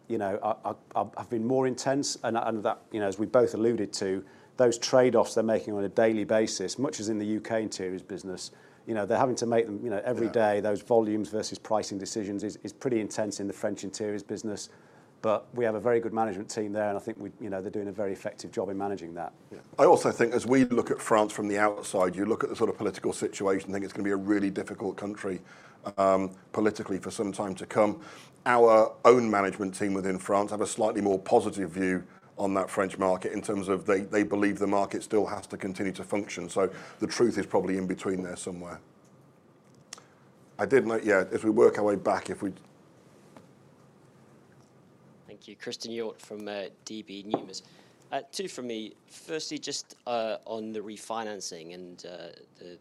you know, have been more intense. that, you know, as we both alluded to, those trade-offs they're making on a daily basis, much as in the UK Interiors business, you know, they're having to make them, you know, every day- Yeah -those volumes versus pricing decisions is pretty intense in the French interiors business. But we have a very good management team there, and I think we, you know, they're doing a very effective job in managing that. Yeah. I also think as we look at France from the outside, you look at the sort of political situation, think it's going to be a really difficult country, politically, for some time to come. Our own management team within France have a slightly more positive view on that French market in terms of they believe the market still has to continue to function, so the truth is probably in between there somewhere. I did note, yeah, as we work our way back, if we- Thank you. Christen Hjorth from Deutsche Numis. Two for me. Firstly, just on the refinancing and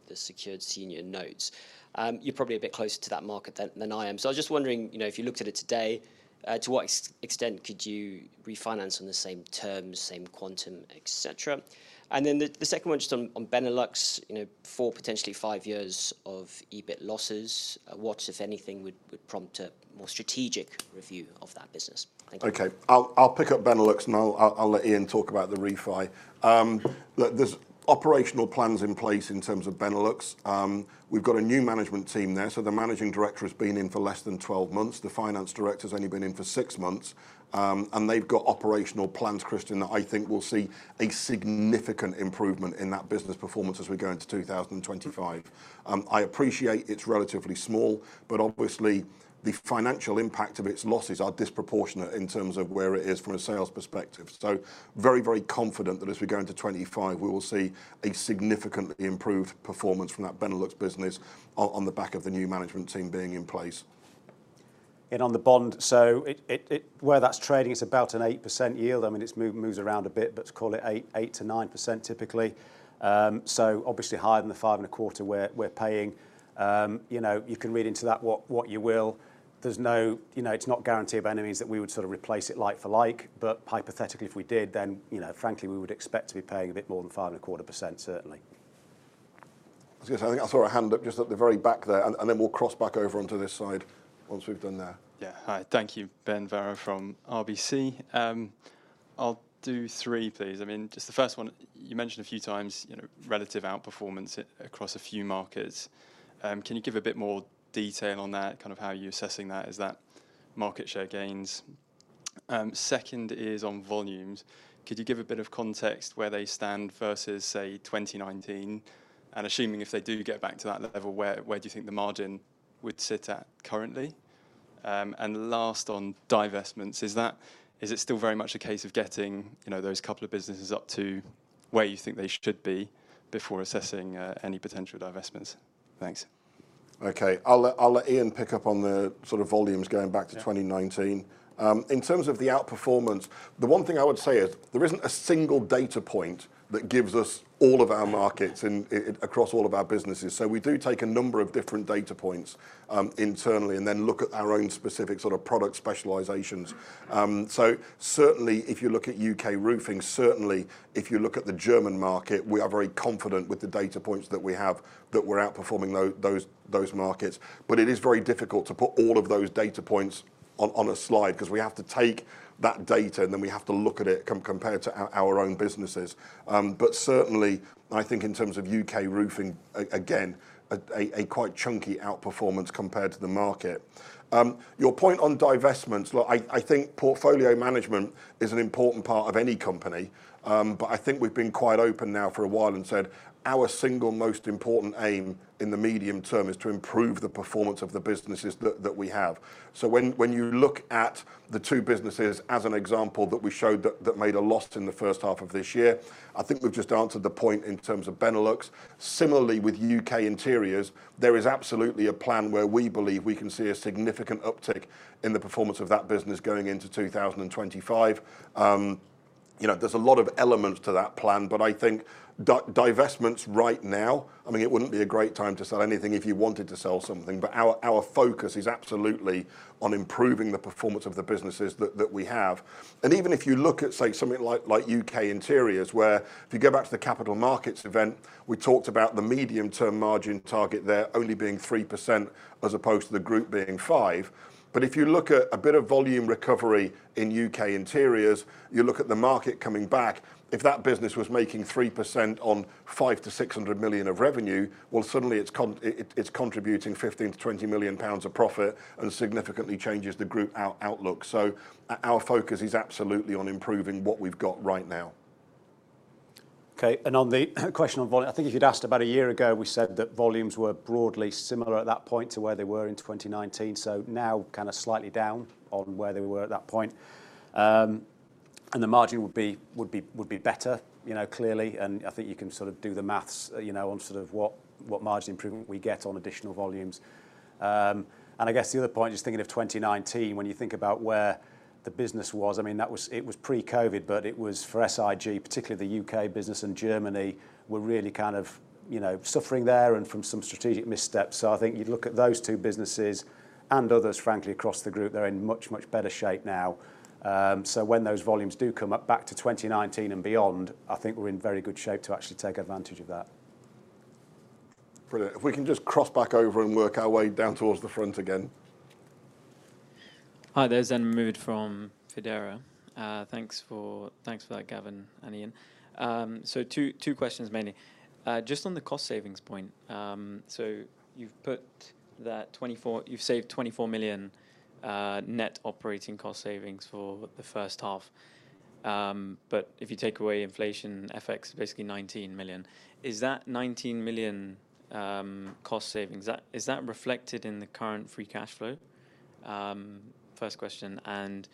the secured senior notes, you're probably a bit closer to that market than I am. So I was just wondering, you know, if you looked at it today, to what extent could you refinance on the same terms, same quantum, et cetera? And then the second one, just on Benelux, you know, 4, potentially 5 years of EBIT losses, what, if anything, would prompt a more strategic review of that business? Thank you. Okay, I'll pick up Benelux, and I'll let Ian talk about the refi. Look, there's operational plans in place in terms of Benelux. We've got a new management team there, so the managing director has been in for less than 12 months. The finance director has only been in for 6 months, and they've got operational plans, Christen, that I think will see a significant improvement in that business performance as we go into 2025. I appreciate it's relatively small, but obviously, the financial impact of its losses are disproportionate in terms of where it is from a sales perspective. So very, very confident that as we go into 2025, we will see a significantly improved performance from that Benelux business on the back of the new management team being in place. On the bond, where it's trading, it's about an 8% yield. I mean, it moves around a bit, but to call it 8%-9%, typically. So obviously higher than the 5.25% we're paying. You know, you can read into that what you will. You know, it's not a guarantee by any means that we would sort of replace it like-for-like, but hypothetically, if we did, then, you know, frankly, we would expect to be paying a bit more than 5.25%, certainly. I was gonna say, I think I saw a hand up just at the very back there, and, and then we'll cross back over onto this side once we've done there. Yeah. Hi, thank you. Ben Vear from RBC. I'll do three, please. I mean, just the first one, you mentioned a few times, you know, relative outperformance across a few markets. Can you give a bit more detail on that, kind of how you're assessing that? Is that market share gains? Second is on volumes. Could you give a bit of context where they stand versus, say, 2019? And assuming if they do get back to that level, where, where do you think the margin would sit at currently? And last on divestments, is that, is it still very much a case of getting, you know, those couple of businesses up to where you think they should be before assessing any potential divestments? Thanks. Okay. I'll let Ian pick up on the sort of volumes going back to 2019. Yeah. In terms of the outperformance, the one thing I would say is there isn't a single data point that gives us all of our markets across all of our businesses. So we do take a number of different data points, internally, and then look at our own specific sort of product specializations. So certainly, if you look at UK Roofing, certainly, if you look at the German market, we are very confident with the data points that we have, that we're outperforming those markets. But it is very difficult to put all of those data points on a slide, 'cause we have to take that data, and then we have to look at it compared to our own businesses. But certainly, I think in terms of UK Roofing, again, a quite chunky outperformance compared to the market. Your point on divestments, look, I think portfolio management is an important part of any company. But I think we've been quite open now for a while and said, our single most important aim in the medium term is to improve the performance of the businesses that we have. So when you look at the two businesses as an example, that we showed that made a loss in the first half of this year, I think we've just answered the point in terms of Benelux. Similarly, with UK Interiors, there is absolutely a plan where we believe we can see a significant uptick in the performance of that business going into 2025. You know, there's a lot of elements to that plan, but I think divestments right now, I mean, it wouldn't be a great time to sell anything if you wanted to sell something, but our, our focus is absolutely on improving the performance of the businesses that, that we have. And even if you look at, say, something like, like UK Interiors, where if you go back to the Capital Markets Event, we talked about the medium-term margin target there only being 3%, as opposed to the group being 5%. But if you look at a bit of volume recovery in UK Interiors, you look at the market coming back, if that business was making 3% on 500-600 million of revenue, well, suddenly it's contributing 15-20 million pounds of profit, and significantly changes the group outlook. So our focus is absolutely on improving what we've got right now. Okay, and on the question on volume, I think if you'd asked about a year ago, we said that volumes were broadly similar at that point to where they were in 2019. So now kind of slightly down on where they were at that point. And the margin would be better, you know, clearly, and I think you can sort of do the math, you know, on sort of what margin improvement we get on additional volumes. And I guess the other point, just thinking of 2019, when you think about where the business was, I mean, that was. It was pre-COVID, but it was for SIG, particularly the UK business and Germany, were really kind of, you know, suffering there and from some strategic missteps. So I think you look at those two businesses and others, frankly, across the group, they're in much, much better shape now. So when those volumes do come up back to 2019 and beyond, I think we're in very good shape to actually take advantage of that. Brilliant. If we can just cross back over and work our way down towards the front again. Hi there, Zayn Mahmood from Fidera. Thanks for that, Gavin and Ian. So two, two questions, mainly. Just on the cost savings point, so you've put that 24. You've saved 24 million net operating cost savings for the first half. But if you take away inflation, FX, basically 19 million. Is that 19 million cost savings, is that reflected in the current free cash flow? First question, and,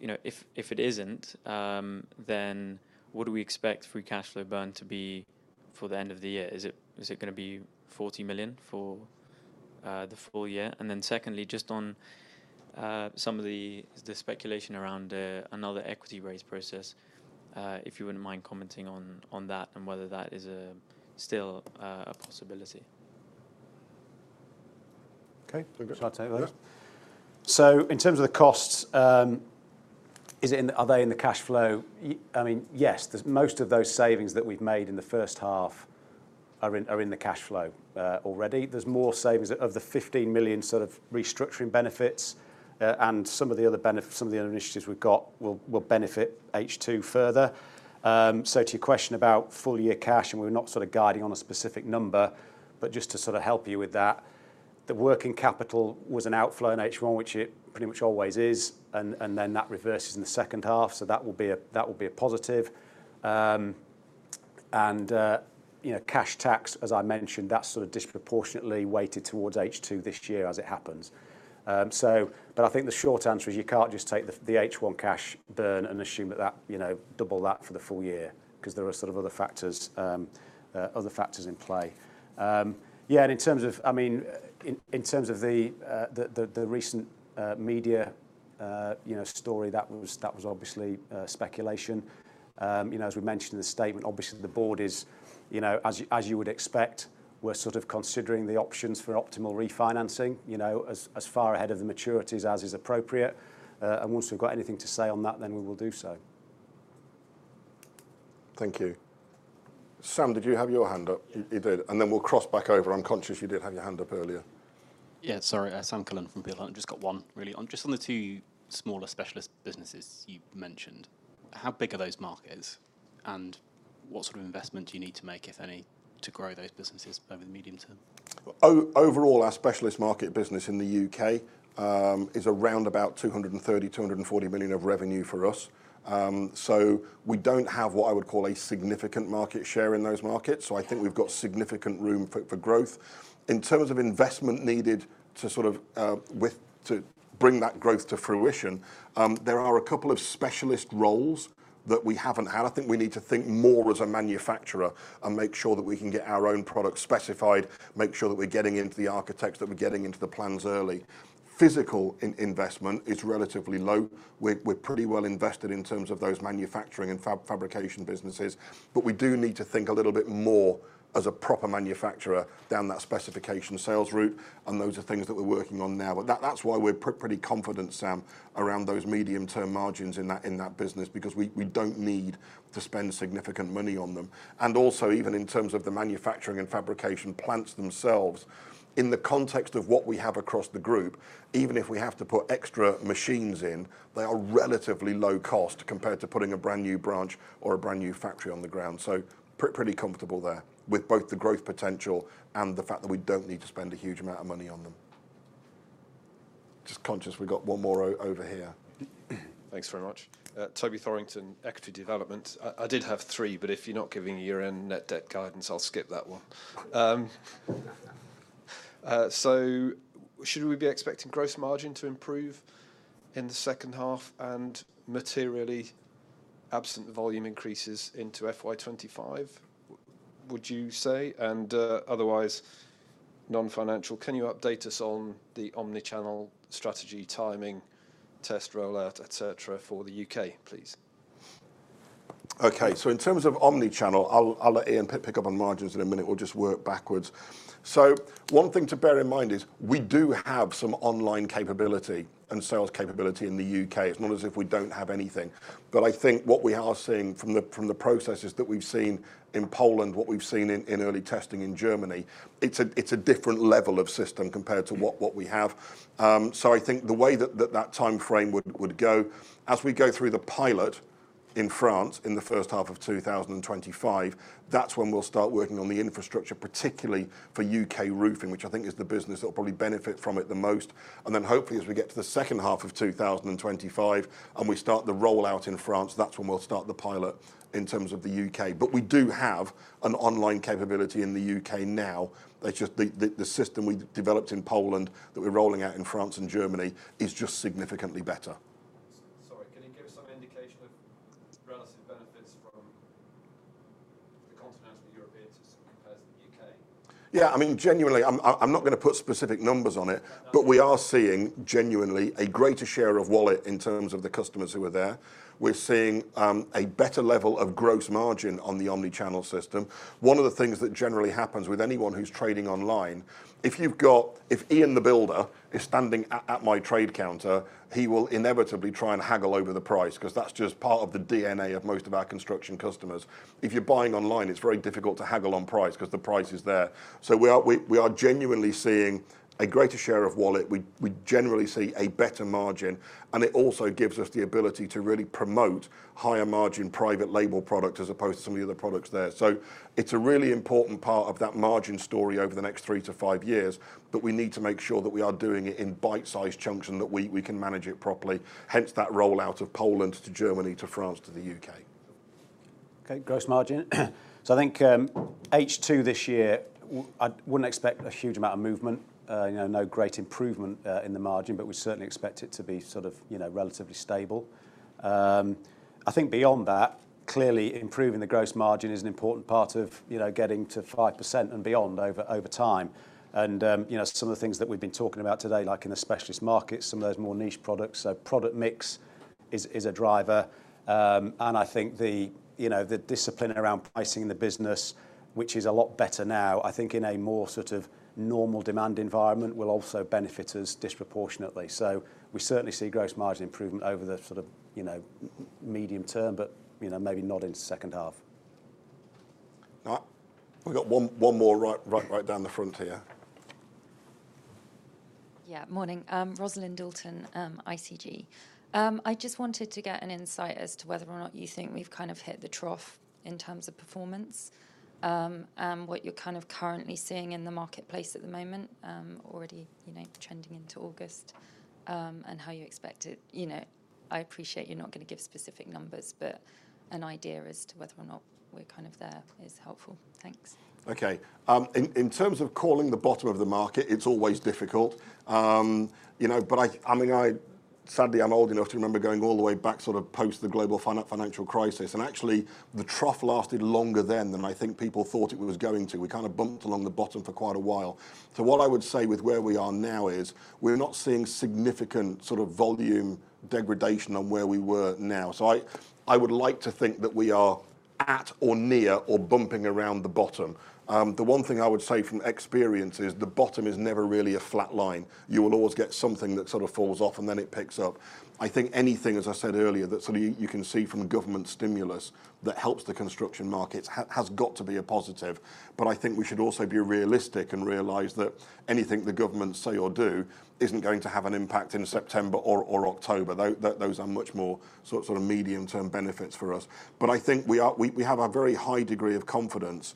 you know, if it isn't, then what do we expect free cash flow burn to be for the end of the year? Is it gonna be 40 million for the full year? And then secondly, just on some of the speculation around another equity raise process, if you wouldn't mind commenting on that and whether that is still a possibility? Okay. Shall I take that? Yeah. So in terms of the costs, is it in- are they in the cash flow? I mean, yes, most of those savings that we've made in the first half are in, are in the cash flow, already. There's more savings of the 15 million sort of restructuring benefits, and some of the other benefit- some of the other initiatives we've got will, will benefit H2 further. So to your question about full year cash, and we're not sort of guiding on a specific number, but just to sort of help you with that, the working capital was an outflow in H1, which it pretty much always is, and, and then that reverses in the second half. So that will be a, that will be a positive. And, you know, cash tax, as I mentioned, that's sort of disproportionately weighted towards H2 this year as it happens. So but I think the short answer is you can't just take the H1 cash burn and assume that, you know, double that for the full year, 'cause there are sort of other factors, other factors in play. Yeah, and in terms of- I mean, in terms of the recent media, you know, story, that was obviously speculation. You know, as we mentioned in the statement, obviously, the board is, you know, as you would expect, we're sort of considering the options for optimal refinancing, you know, as far ahead of the maturities as is appropriate. Once we've got anything to say on that, then we will do so. Thank you. Sam, did you have your hand up? You, you did, and then we'll cross back over. I'm conscious you did have your hand up earlier. Yeah, sorry, Sam Cullen from Peel Hunt. Just got one really. Just on the two smaller specialist businesses you mentioned, how big are those markets, and what sort of investment do you need to make, if any, to grow those businesses over the medium term? Overall, our specialist market business in the UK is around about 230-240 million of revenue for us. So we don't have what I would call a significant market share in those markets, so I think we've got significant room for, for growth. In terms of investment needed to sort of, to bring that growth to fruition, there are a couple of specialist roles that we haven't had. I think we need to think more as a manufacturer and make sure that we can get our own product specified, make sure that we're getting into the architects, that we're getting into the plans early. Physical investment is relatively low. We're pretty well invested in terms of those manufacturing and fabrication businesses, but we do need to think a little bit more as a proper manufacturer down that specification sales route, and those are things that we're working on now. But that's why we're pretty confident, Sam, around those medium-term margins in that business, because we don't need to spend significant money on them. And also, even in terms of the manufacturing and fabrication plants themselves, in the context of what we have across the group, even if we have to put extra machines in, they are relatively low cost compared to putting a brand-new branch or a brand-new factory on the ground. So pretty comfortable there, with both the growth potential and the fact that we don't need to spend a huge amount of money on them. Just conscious we've got one more over here. Thanks very much. Toby Thorrington, Equity Development. I did have three, but if you're not giving a year-end net debt guidance, I'll skip that one. So should we be expecting gross margin to improve in the second half and materially absent volume increases into FY 25, would you say? And otherwise, non-financial, can you update us on the omni-channel strategy, timing, test rollout, et cetera, for the UK, please? Okay, so in terms of omni-channel, I'll let Ian pick up on margins in a minute. We'll just work backwards. So one thing to bear in mind is we do have some online capability and sales capability in the U.K. It's not as if we don't have anything. But I think what we are seeing from the processes that we've seen in Poland, what we've seen in early testing in Germany, it's a different level of system compared to what we have. So I think the way that time frame would go, as we go through the pilot in France in the first half of 2025, that's when we'll start working on the infrastructure, particularly for UK Roofing, which I think is the business that will probably benefit from it the most. And then hopefully, as we get to the second half of 2025, and we start the rollout in France, that's when we'll start the pilot in terms of the UK. But we do have an online capability in the UK now. It's just the system we developed in Poland that we're rolling out in France and Germany is just significantly better. Sorry, can you give us some indication of relative benefits from the continental European system compared to the UK? Yeah, I mean, genuinely, I'm not going to put specific numbers on it, but we are seeing genuinely a greater share of wallet in terms of the customers who are there. We're seeing a better level of gross margin on the omni-channel system. One of the things that generally happens with anyone who's trading online, If Ian, the builder, is standing at my trade counter, he will inevitably try and haggle over the price, 'cause that's just part of the DNA of most of our construction customers. If you're buying online, it's very difficult to haggle on price 'cause the price is there. So we are genuinely seeing a greater share of wallet. We generally see a better margin, and it also gives us the ability to really promote higher-margin private label products as opposed to some of the other products there. So it's a really important part of that margin story over the next three to five years, but we need to make sure that we are doing it in bite-sized chunks and that we can manage it properly. Hence, that rollout of Poland to Germany, to France, to the UK. Okay, gross margin. So I think, H2 this year, I wouldn't expect a huge amount of movement, you know, no great improvement, in the margin, but we certainly expect it to be sort of, you know, relatively stable. I think beyond that, clearly, improving the gross margin is an important part of, you know, getting to 5% and beyond over, over time. And, you know, some of the things that we've been talking about today, like in the Specialist Markets, some of those more niche products, so product mix is, is a driver. And I think the, you know, the discipline around pricing the business, which is a lot better now, I think in a more sort of normal demand environment, will also benefit us disproportionately. We certainly see gross margin improvement over the sort of, you know, medium term, but, you know, maybe not in the second half. We've got one more right down the front here. Yeah, morning. Rosalind Hilton, ICG. I just wanted to get an insight as to whether or not you think we've kind of hit the trough in terms of performance, and what you're kind of currently seeing in the marketplace at the moment, already, you know, trending into August, and how you expect it. You know, I appreciate you're not going to give specific numbers, but an idea as to whether or not we're kind of there is helpful. Thanks. Okay, in terms of calling the bottom of the market, it's always difficult. You know, but I mean, I sadly, I'm old enough to remember going all the way back, sort of post the global financial crisis, and actually, the trough lasted longer then than I think people thought it was going to. We kind of bumped along the bottom for quite a while. So what I would say with where we are now is, we're not seeing significant sort of volume degradation on where we were now. So I would like to think that we are at or near or bumping around the bottom. The one thing I would say from experience is the bottom is never really a flat line. You will always get something that sort of falls off, and then it picks up. I think anything, as I said earlier, that sort of you, you can see from a government stimulus that helps the construction markets has got to be a positive. But I think we should also be realistic and realize that anything the government say or do isn't going to have an impact in September or October. That those are much more so, sort of medium-term benefits for us. But I think we have a very high degree of confidence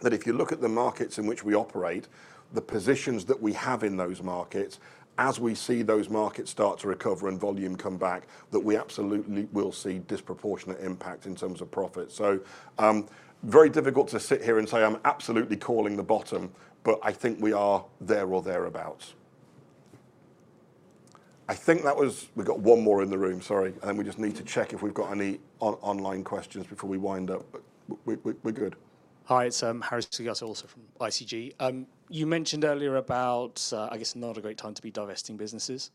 that if you look at the markets in which we operate, the positions that we have in those markets, as we see those markets start to recover and volume come back, that we absolutely will see disproportionate impact in terms of profit. So, very difficult to sit here and say I'm absolutely calling the bottom, but I think we are there or thereabouts. I think that was- we've got one more in the room, sorry, and then we just need to check if we've got any online questions before we wind up. But we're good. Hi, it's Harry Sugars, also from ICG. You mentioned earlier about, I guess not a great time to be divesting businesses,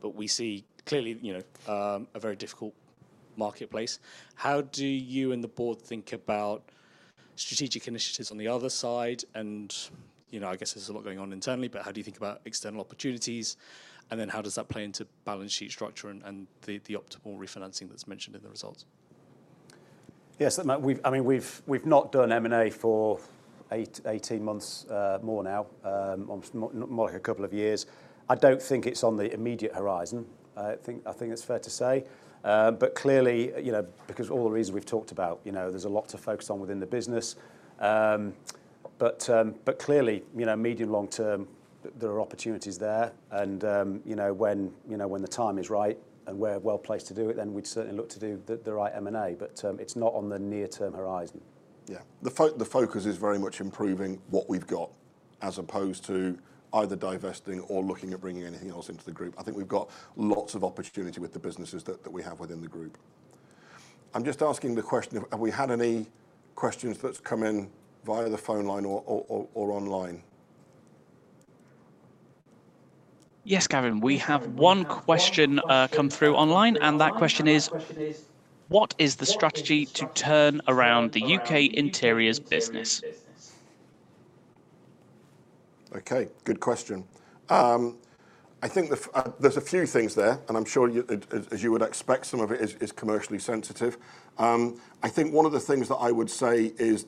but we see clearly, you know, a very difficult marketplace. How do you and the board think about strategic initiatives on the other side? And, you know, I guess there's a lot going on internally, but how do you think about external opportunities, and then how does that play into balance sheet structure and, and the, the optimal refinancing that's mentioned in the results? Yes, Matt, I mean, we've not done M&A for 18 months, more now, more like a couple of years. I don't think it's on the immediate horizon. I think it's fair to say. But clearly, you know, because all the reasons we've talked about, you know, there's a lot to focus on within the business. But clearly, you know, medium- to long-term, there are opportunities there. And, you know, when the time is right and we're well placed to do it, then we'd certainly look to do the right M&A, but it's not on the near-term horizon. Yeah. The focus is very much improving what we've got, as opposed to either divesting or looking at bringing anything else into the group. I think we've got lots of opportunity with the businesses that we have within the group. I'm just asking the question, have we had any questions that's come in via the phone line or online? Yes, Gavin, we have one question come through online, and that question is: What is the strategy to turn around the UK Interiors business? Okay, good question. I think the, there's a few things there, and I'm sure you, as, as you would expect, some of it is, is commercially sensitive. I think one of the things that I would say is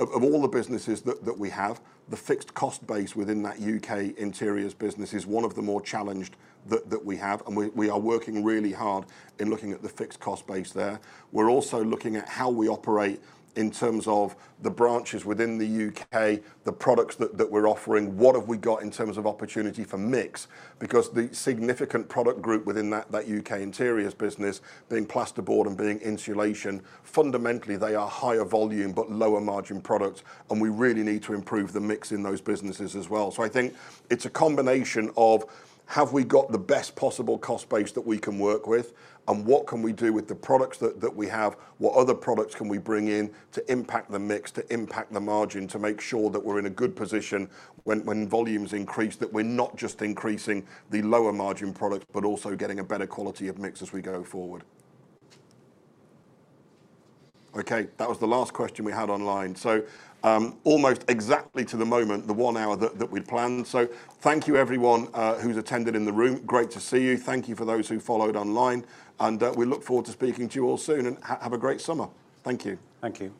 of all the businesses that, that we have, the fixed cost base within that UK Interiors business is one of the more challenged that, that we have, and we, we are working really hard in looking at the fixed cost base there. We're also looking at how we operate in terms of the branches within the UK, the products that, that we're offering, what have we got in terms of opportunity for mix? Because the significant product group within that, that UK Interiors business, being plasterboard and being insulation, fundamentally, they are higher volume but lower margin products, and we really need to improve the mix in those businesses as well. So I think it's a combination of, have we got the best possible cost base that we can work with, and what can we do with the products that, that we have? What other products can we bring in to impact the mix, to impact the margin, to make sure that we're in a good position when, when volumes increase, that we're not just increasing the lower margin products, but also getting a better quality of mix as we go forward. Okay, that was the last question we had online. So, almost exactly to the moment, the one hour that, that we'd planned. So thank you everyone, who's attended in the room. Great to see you. Thank you for those who followed online, and we look forward to speaking to you all soon, and have a great summer. Thank you. Thank you.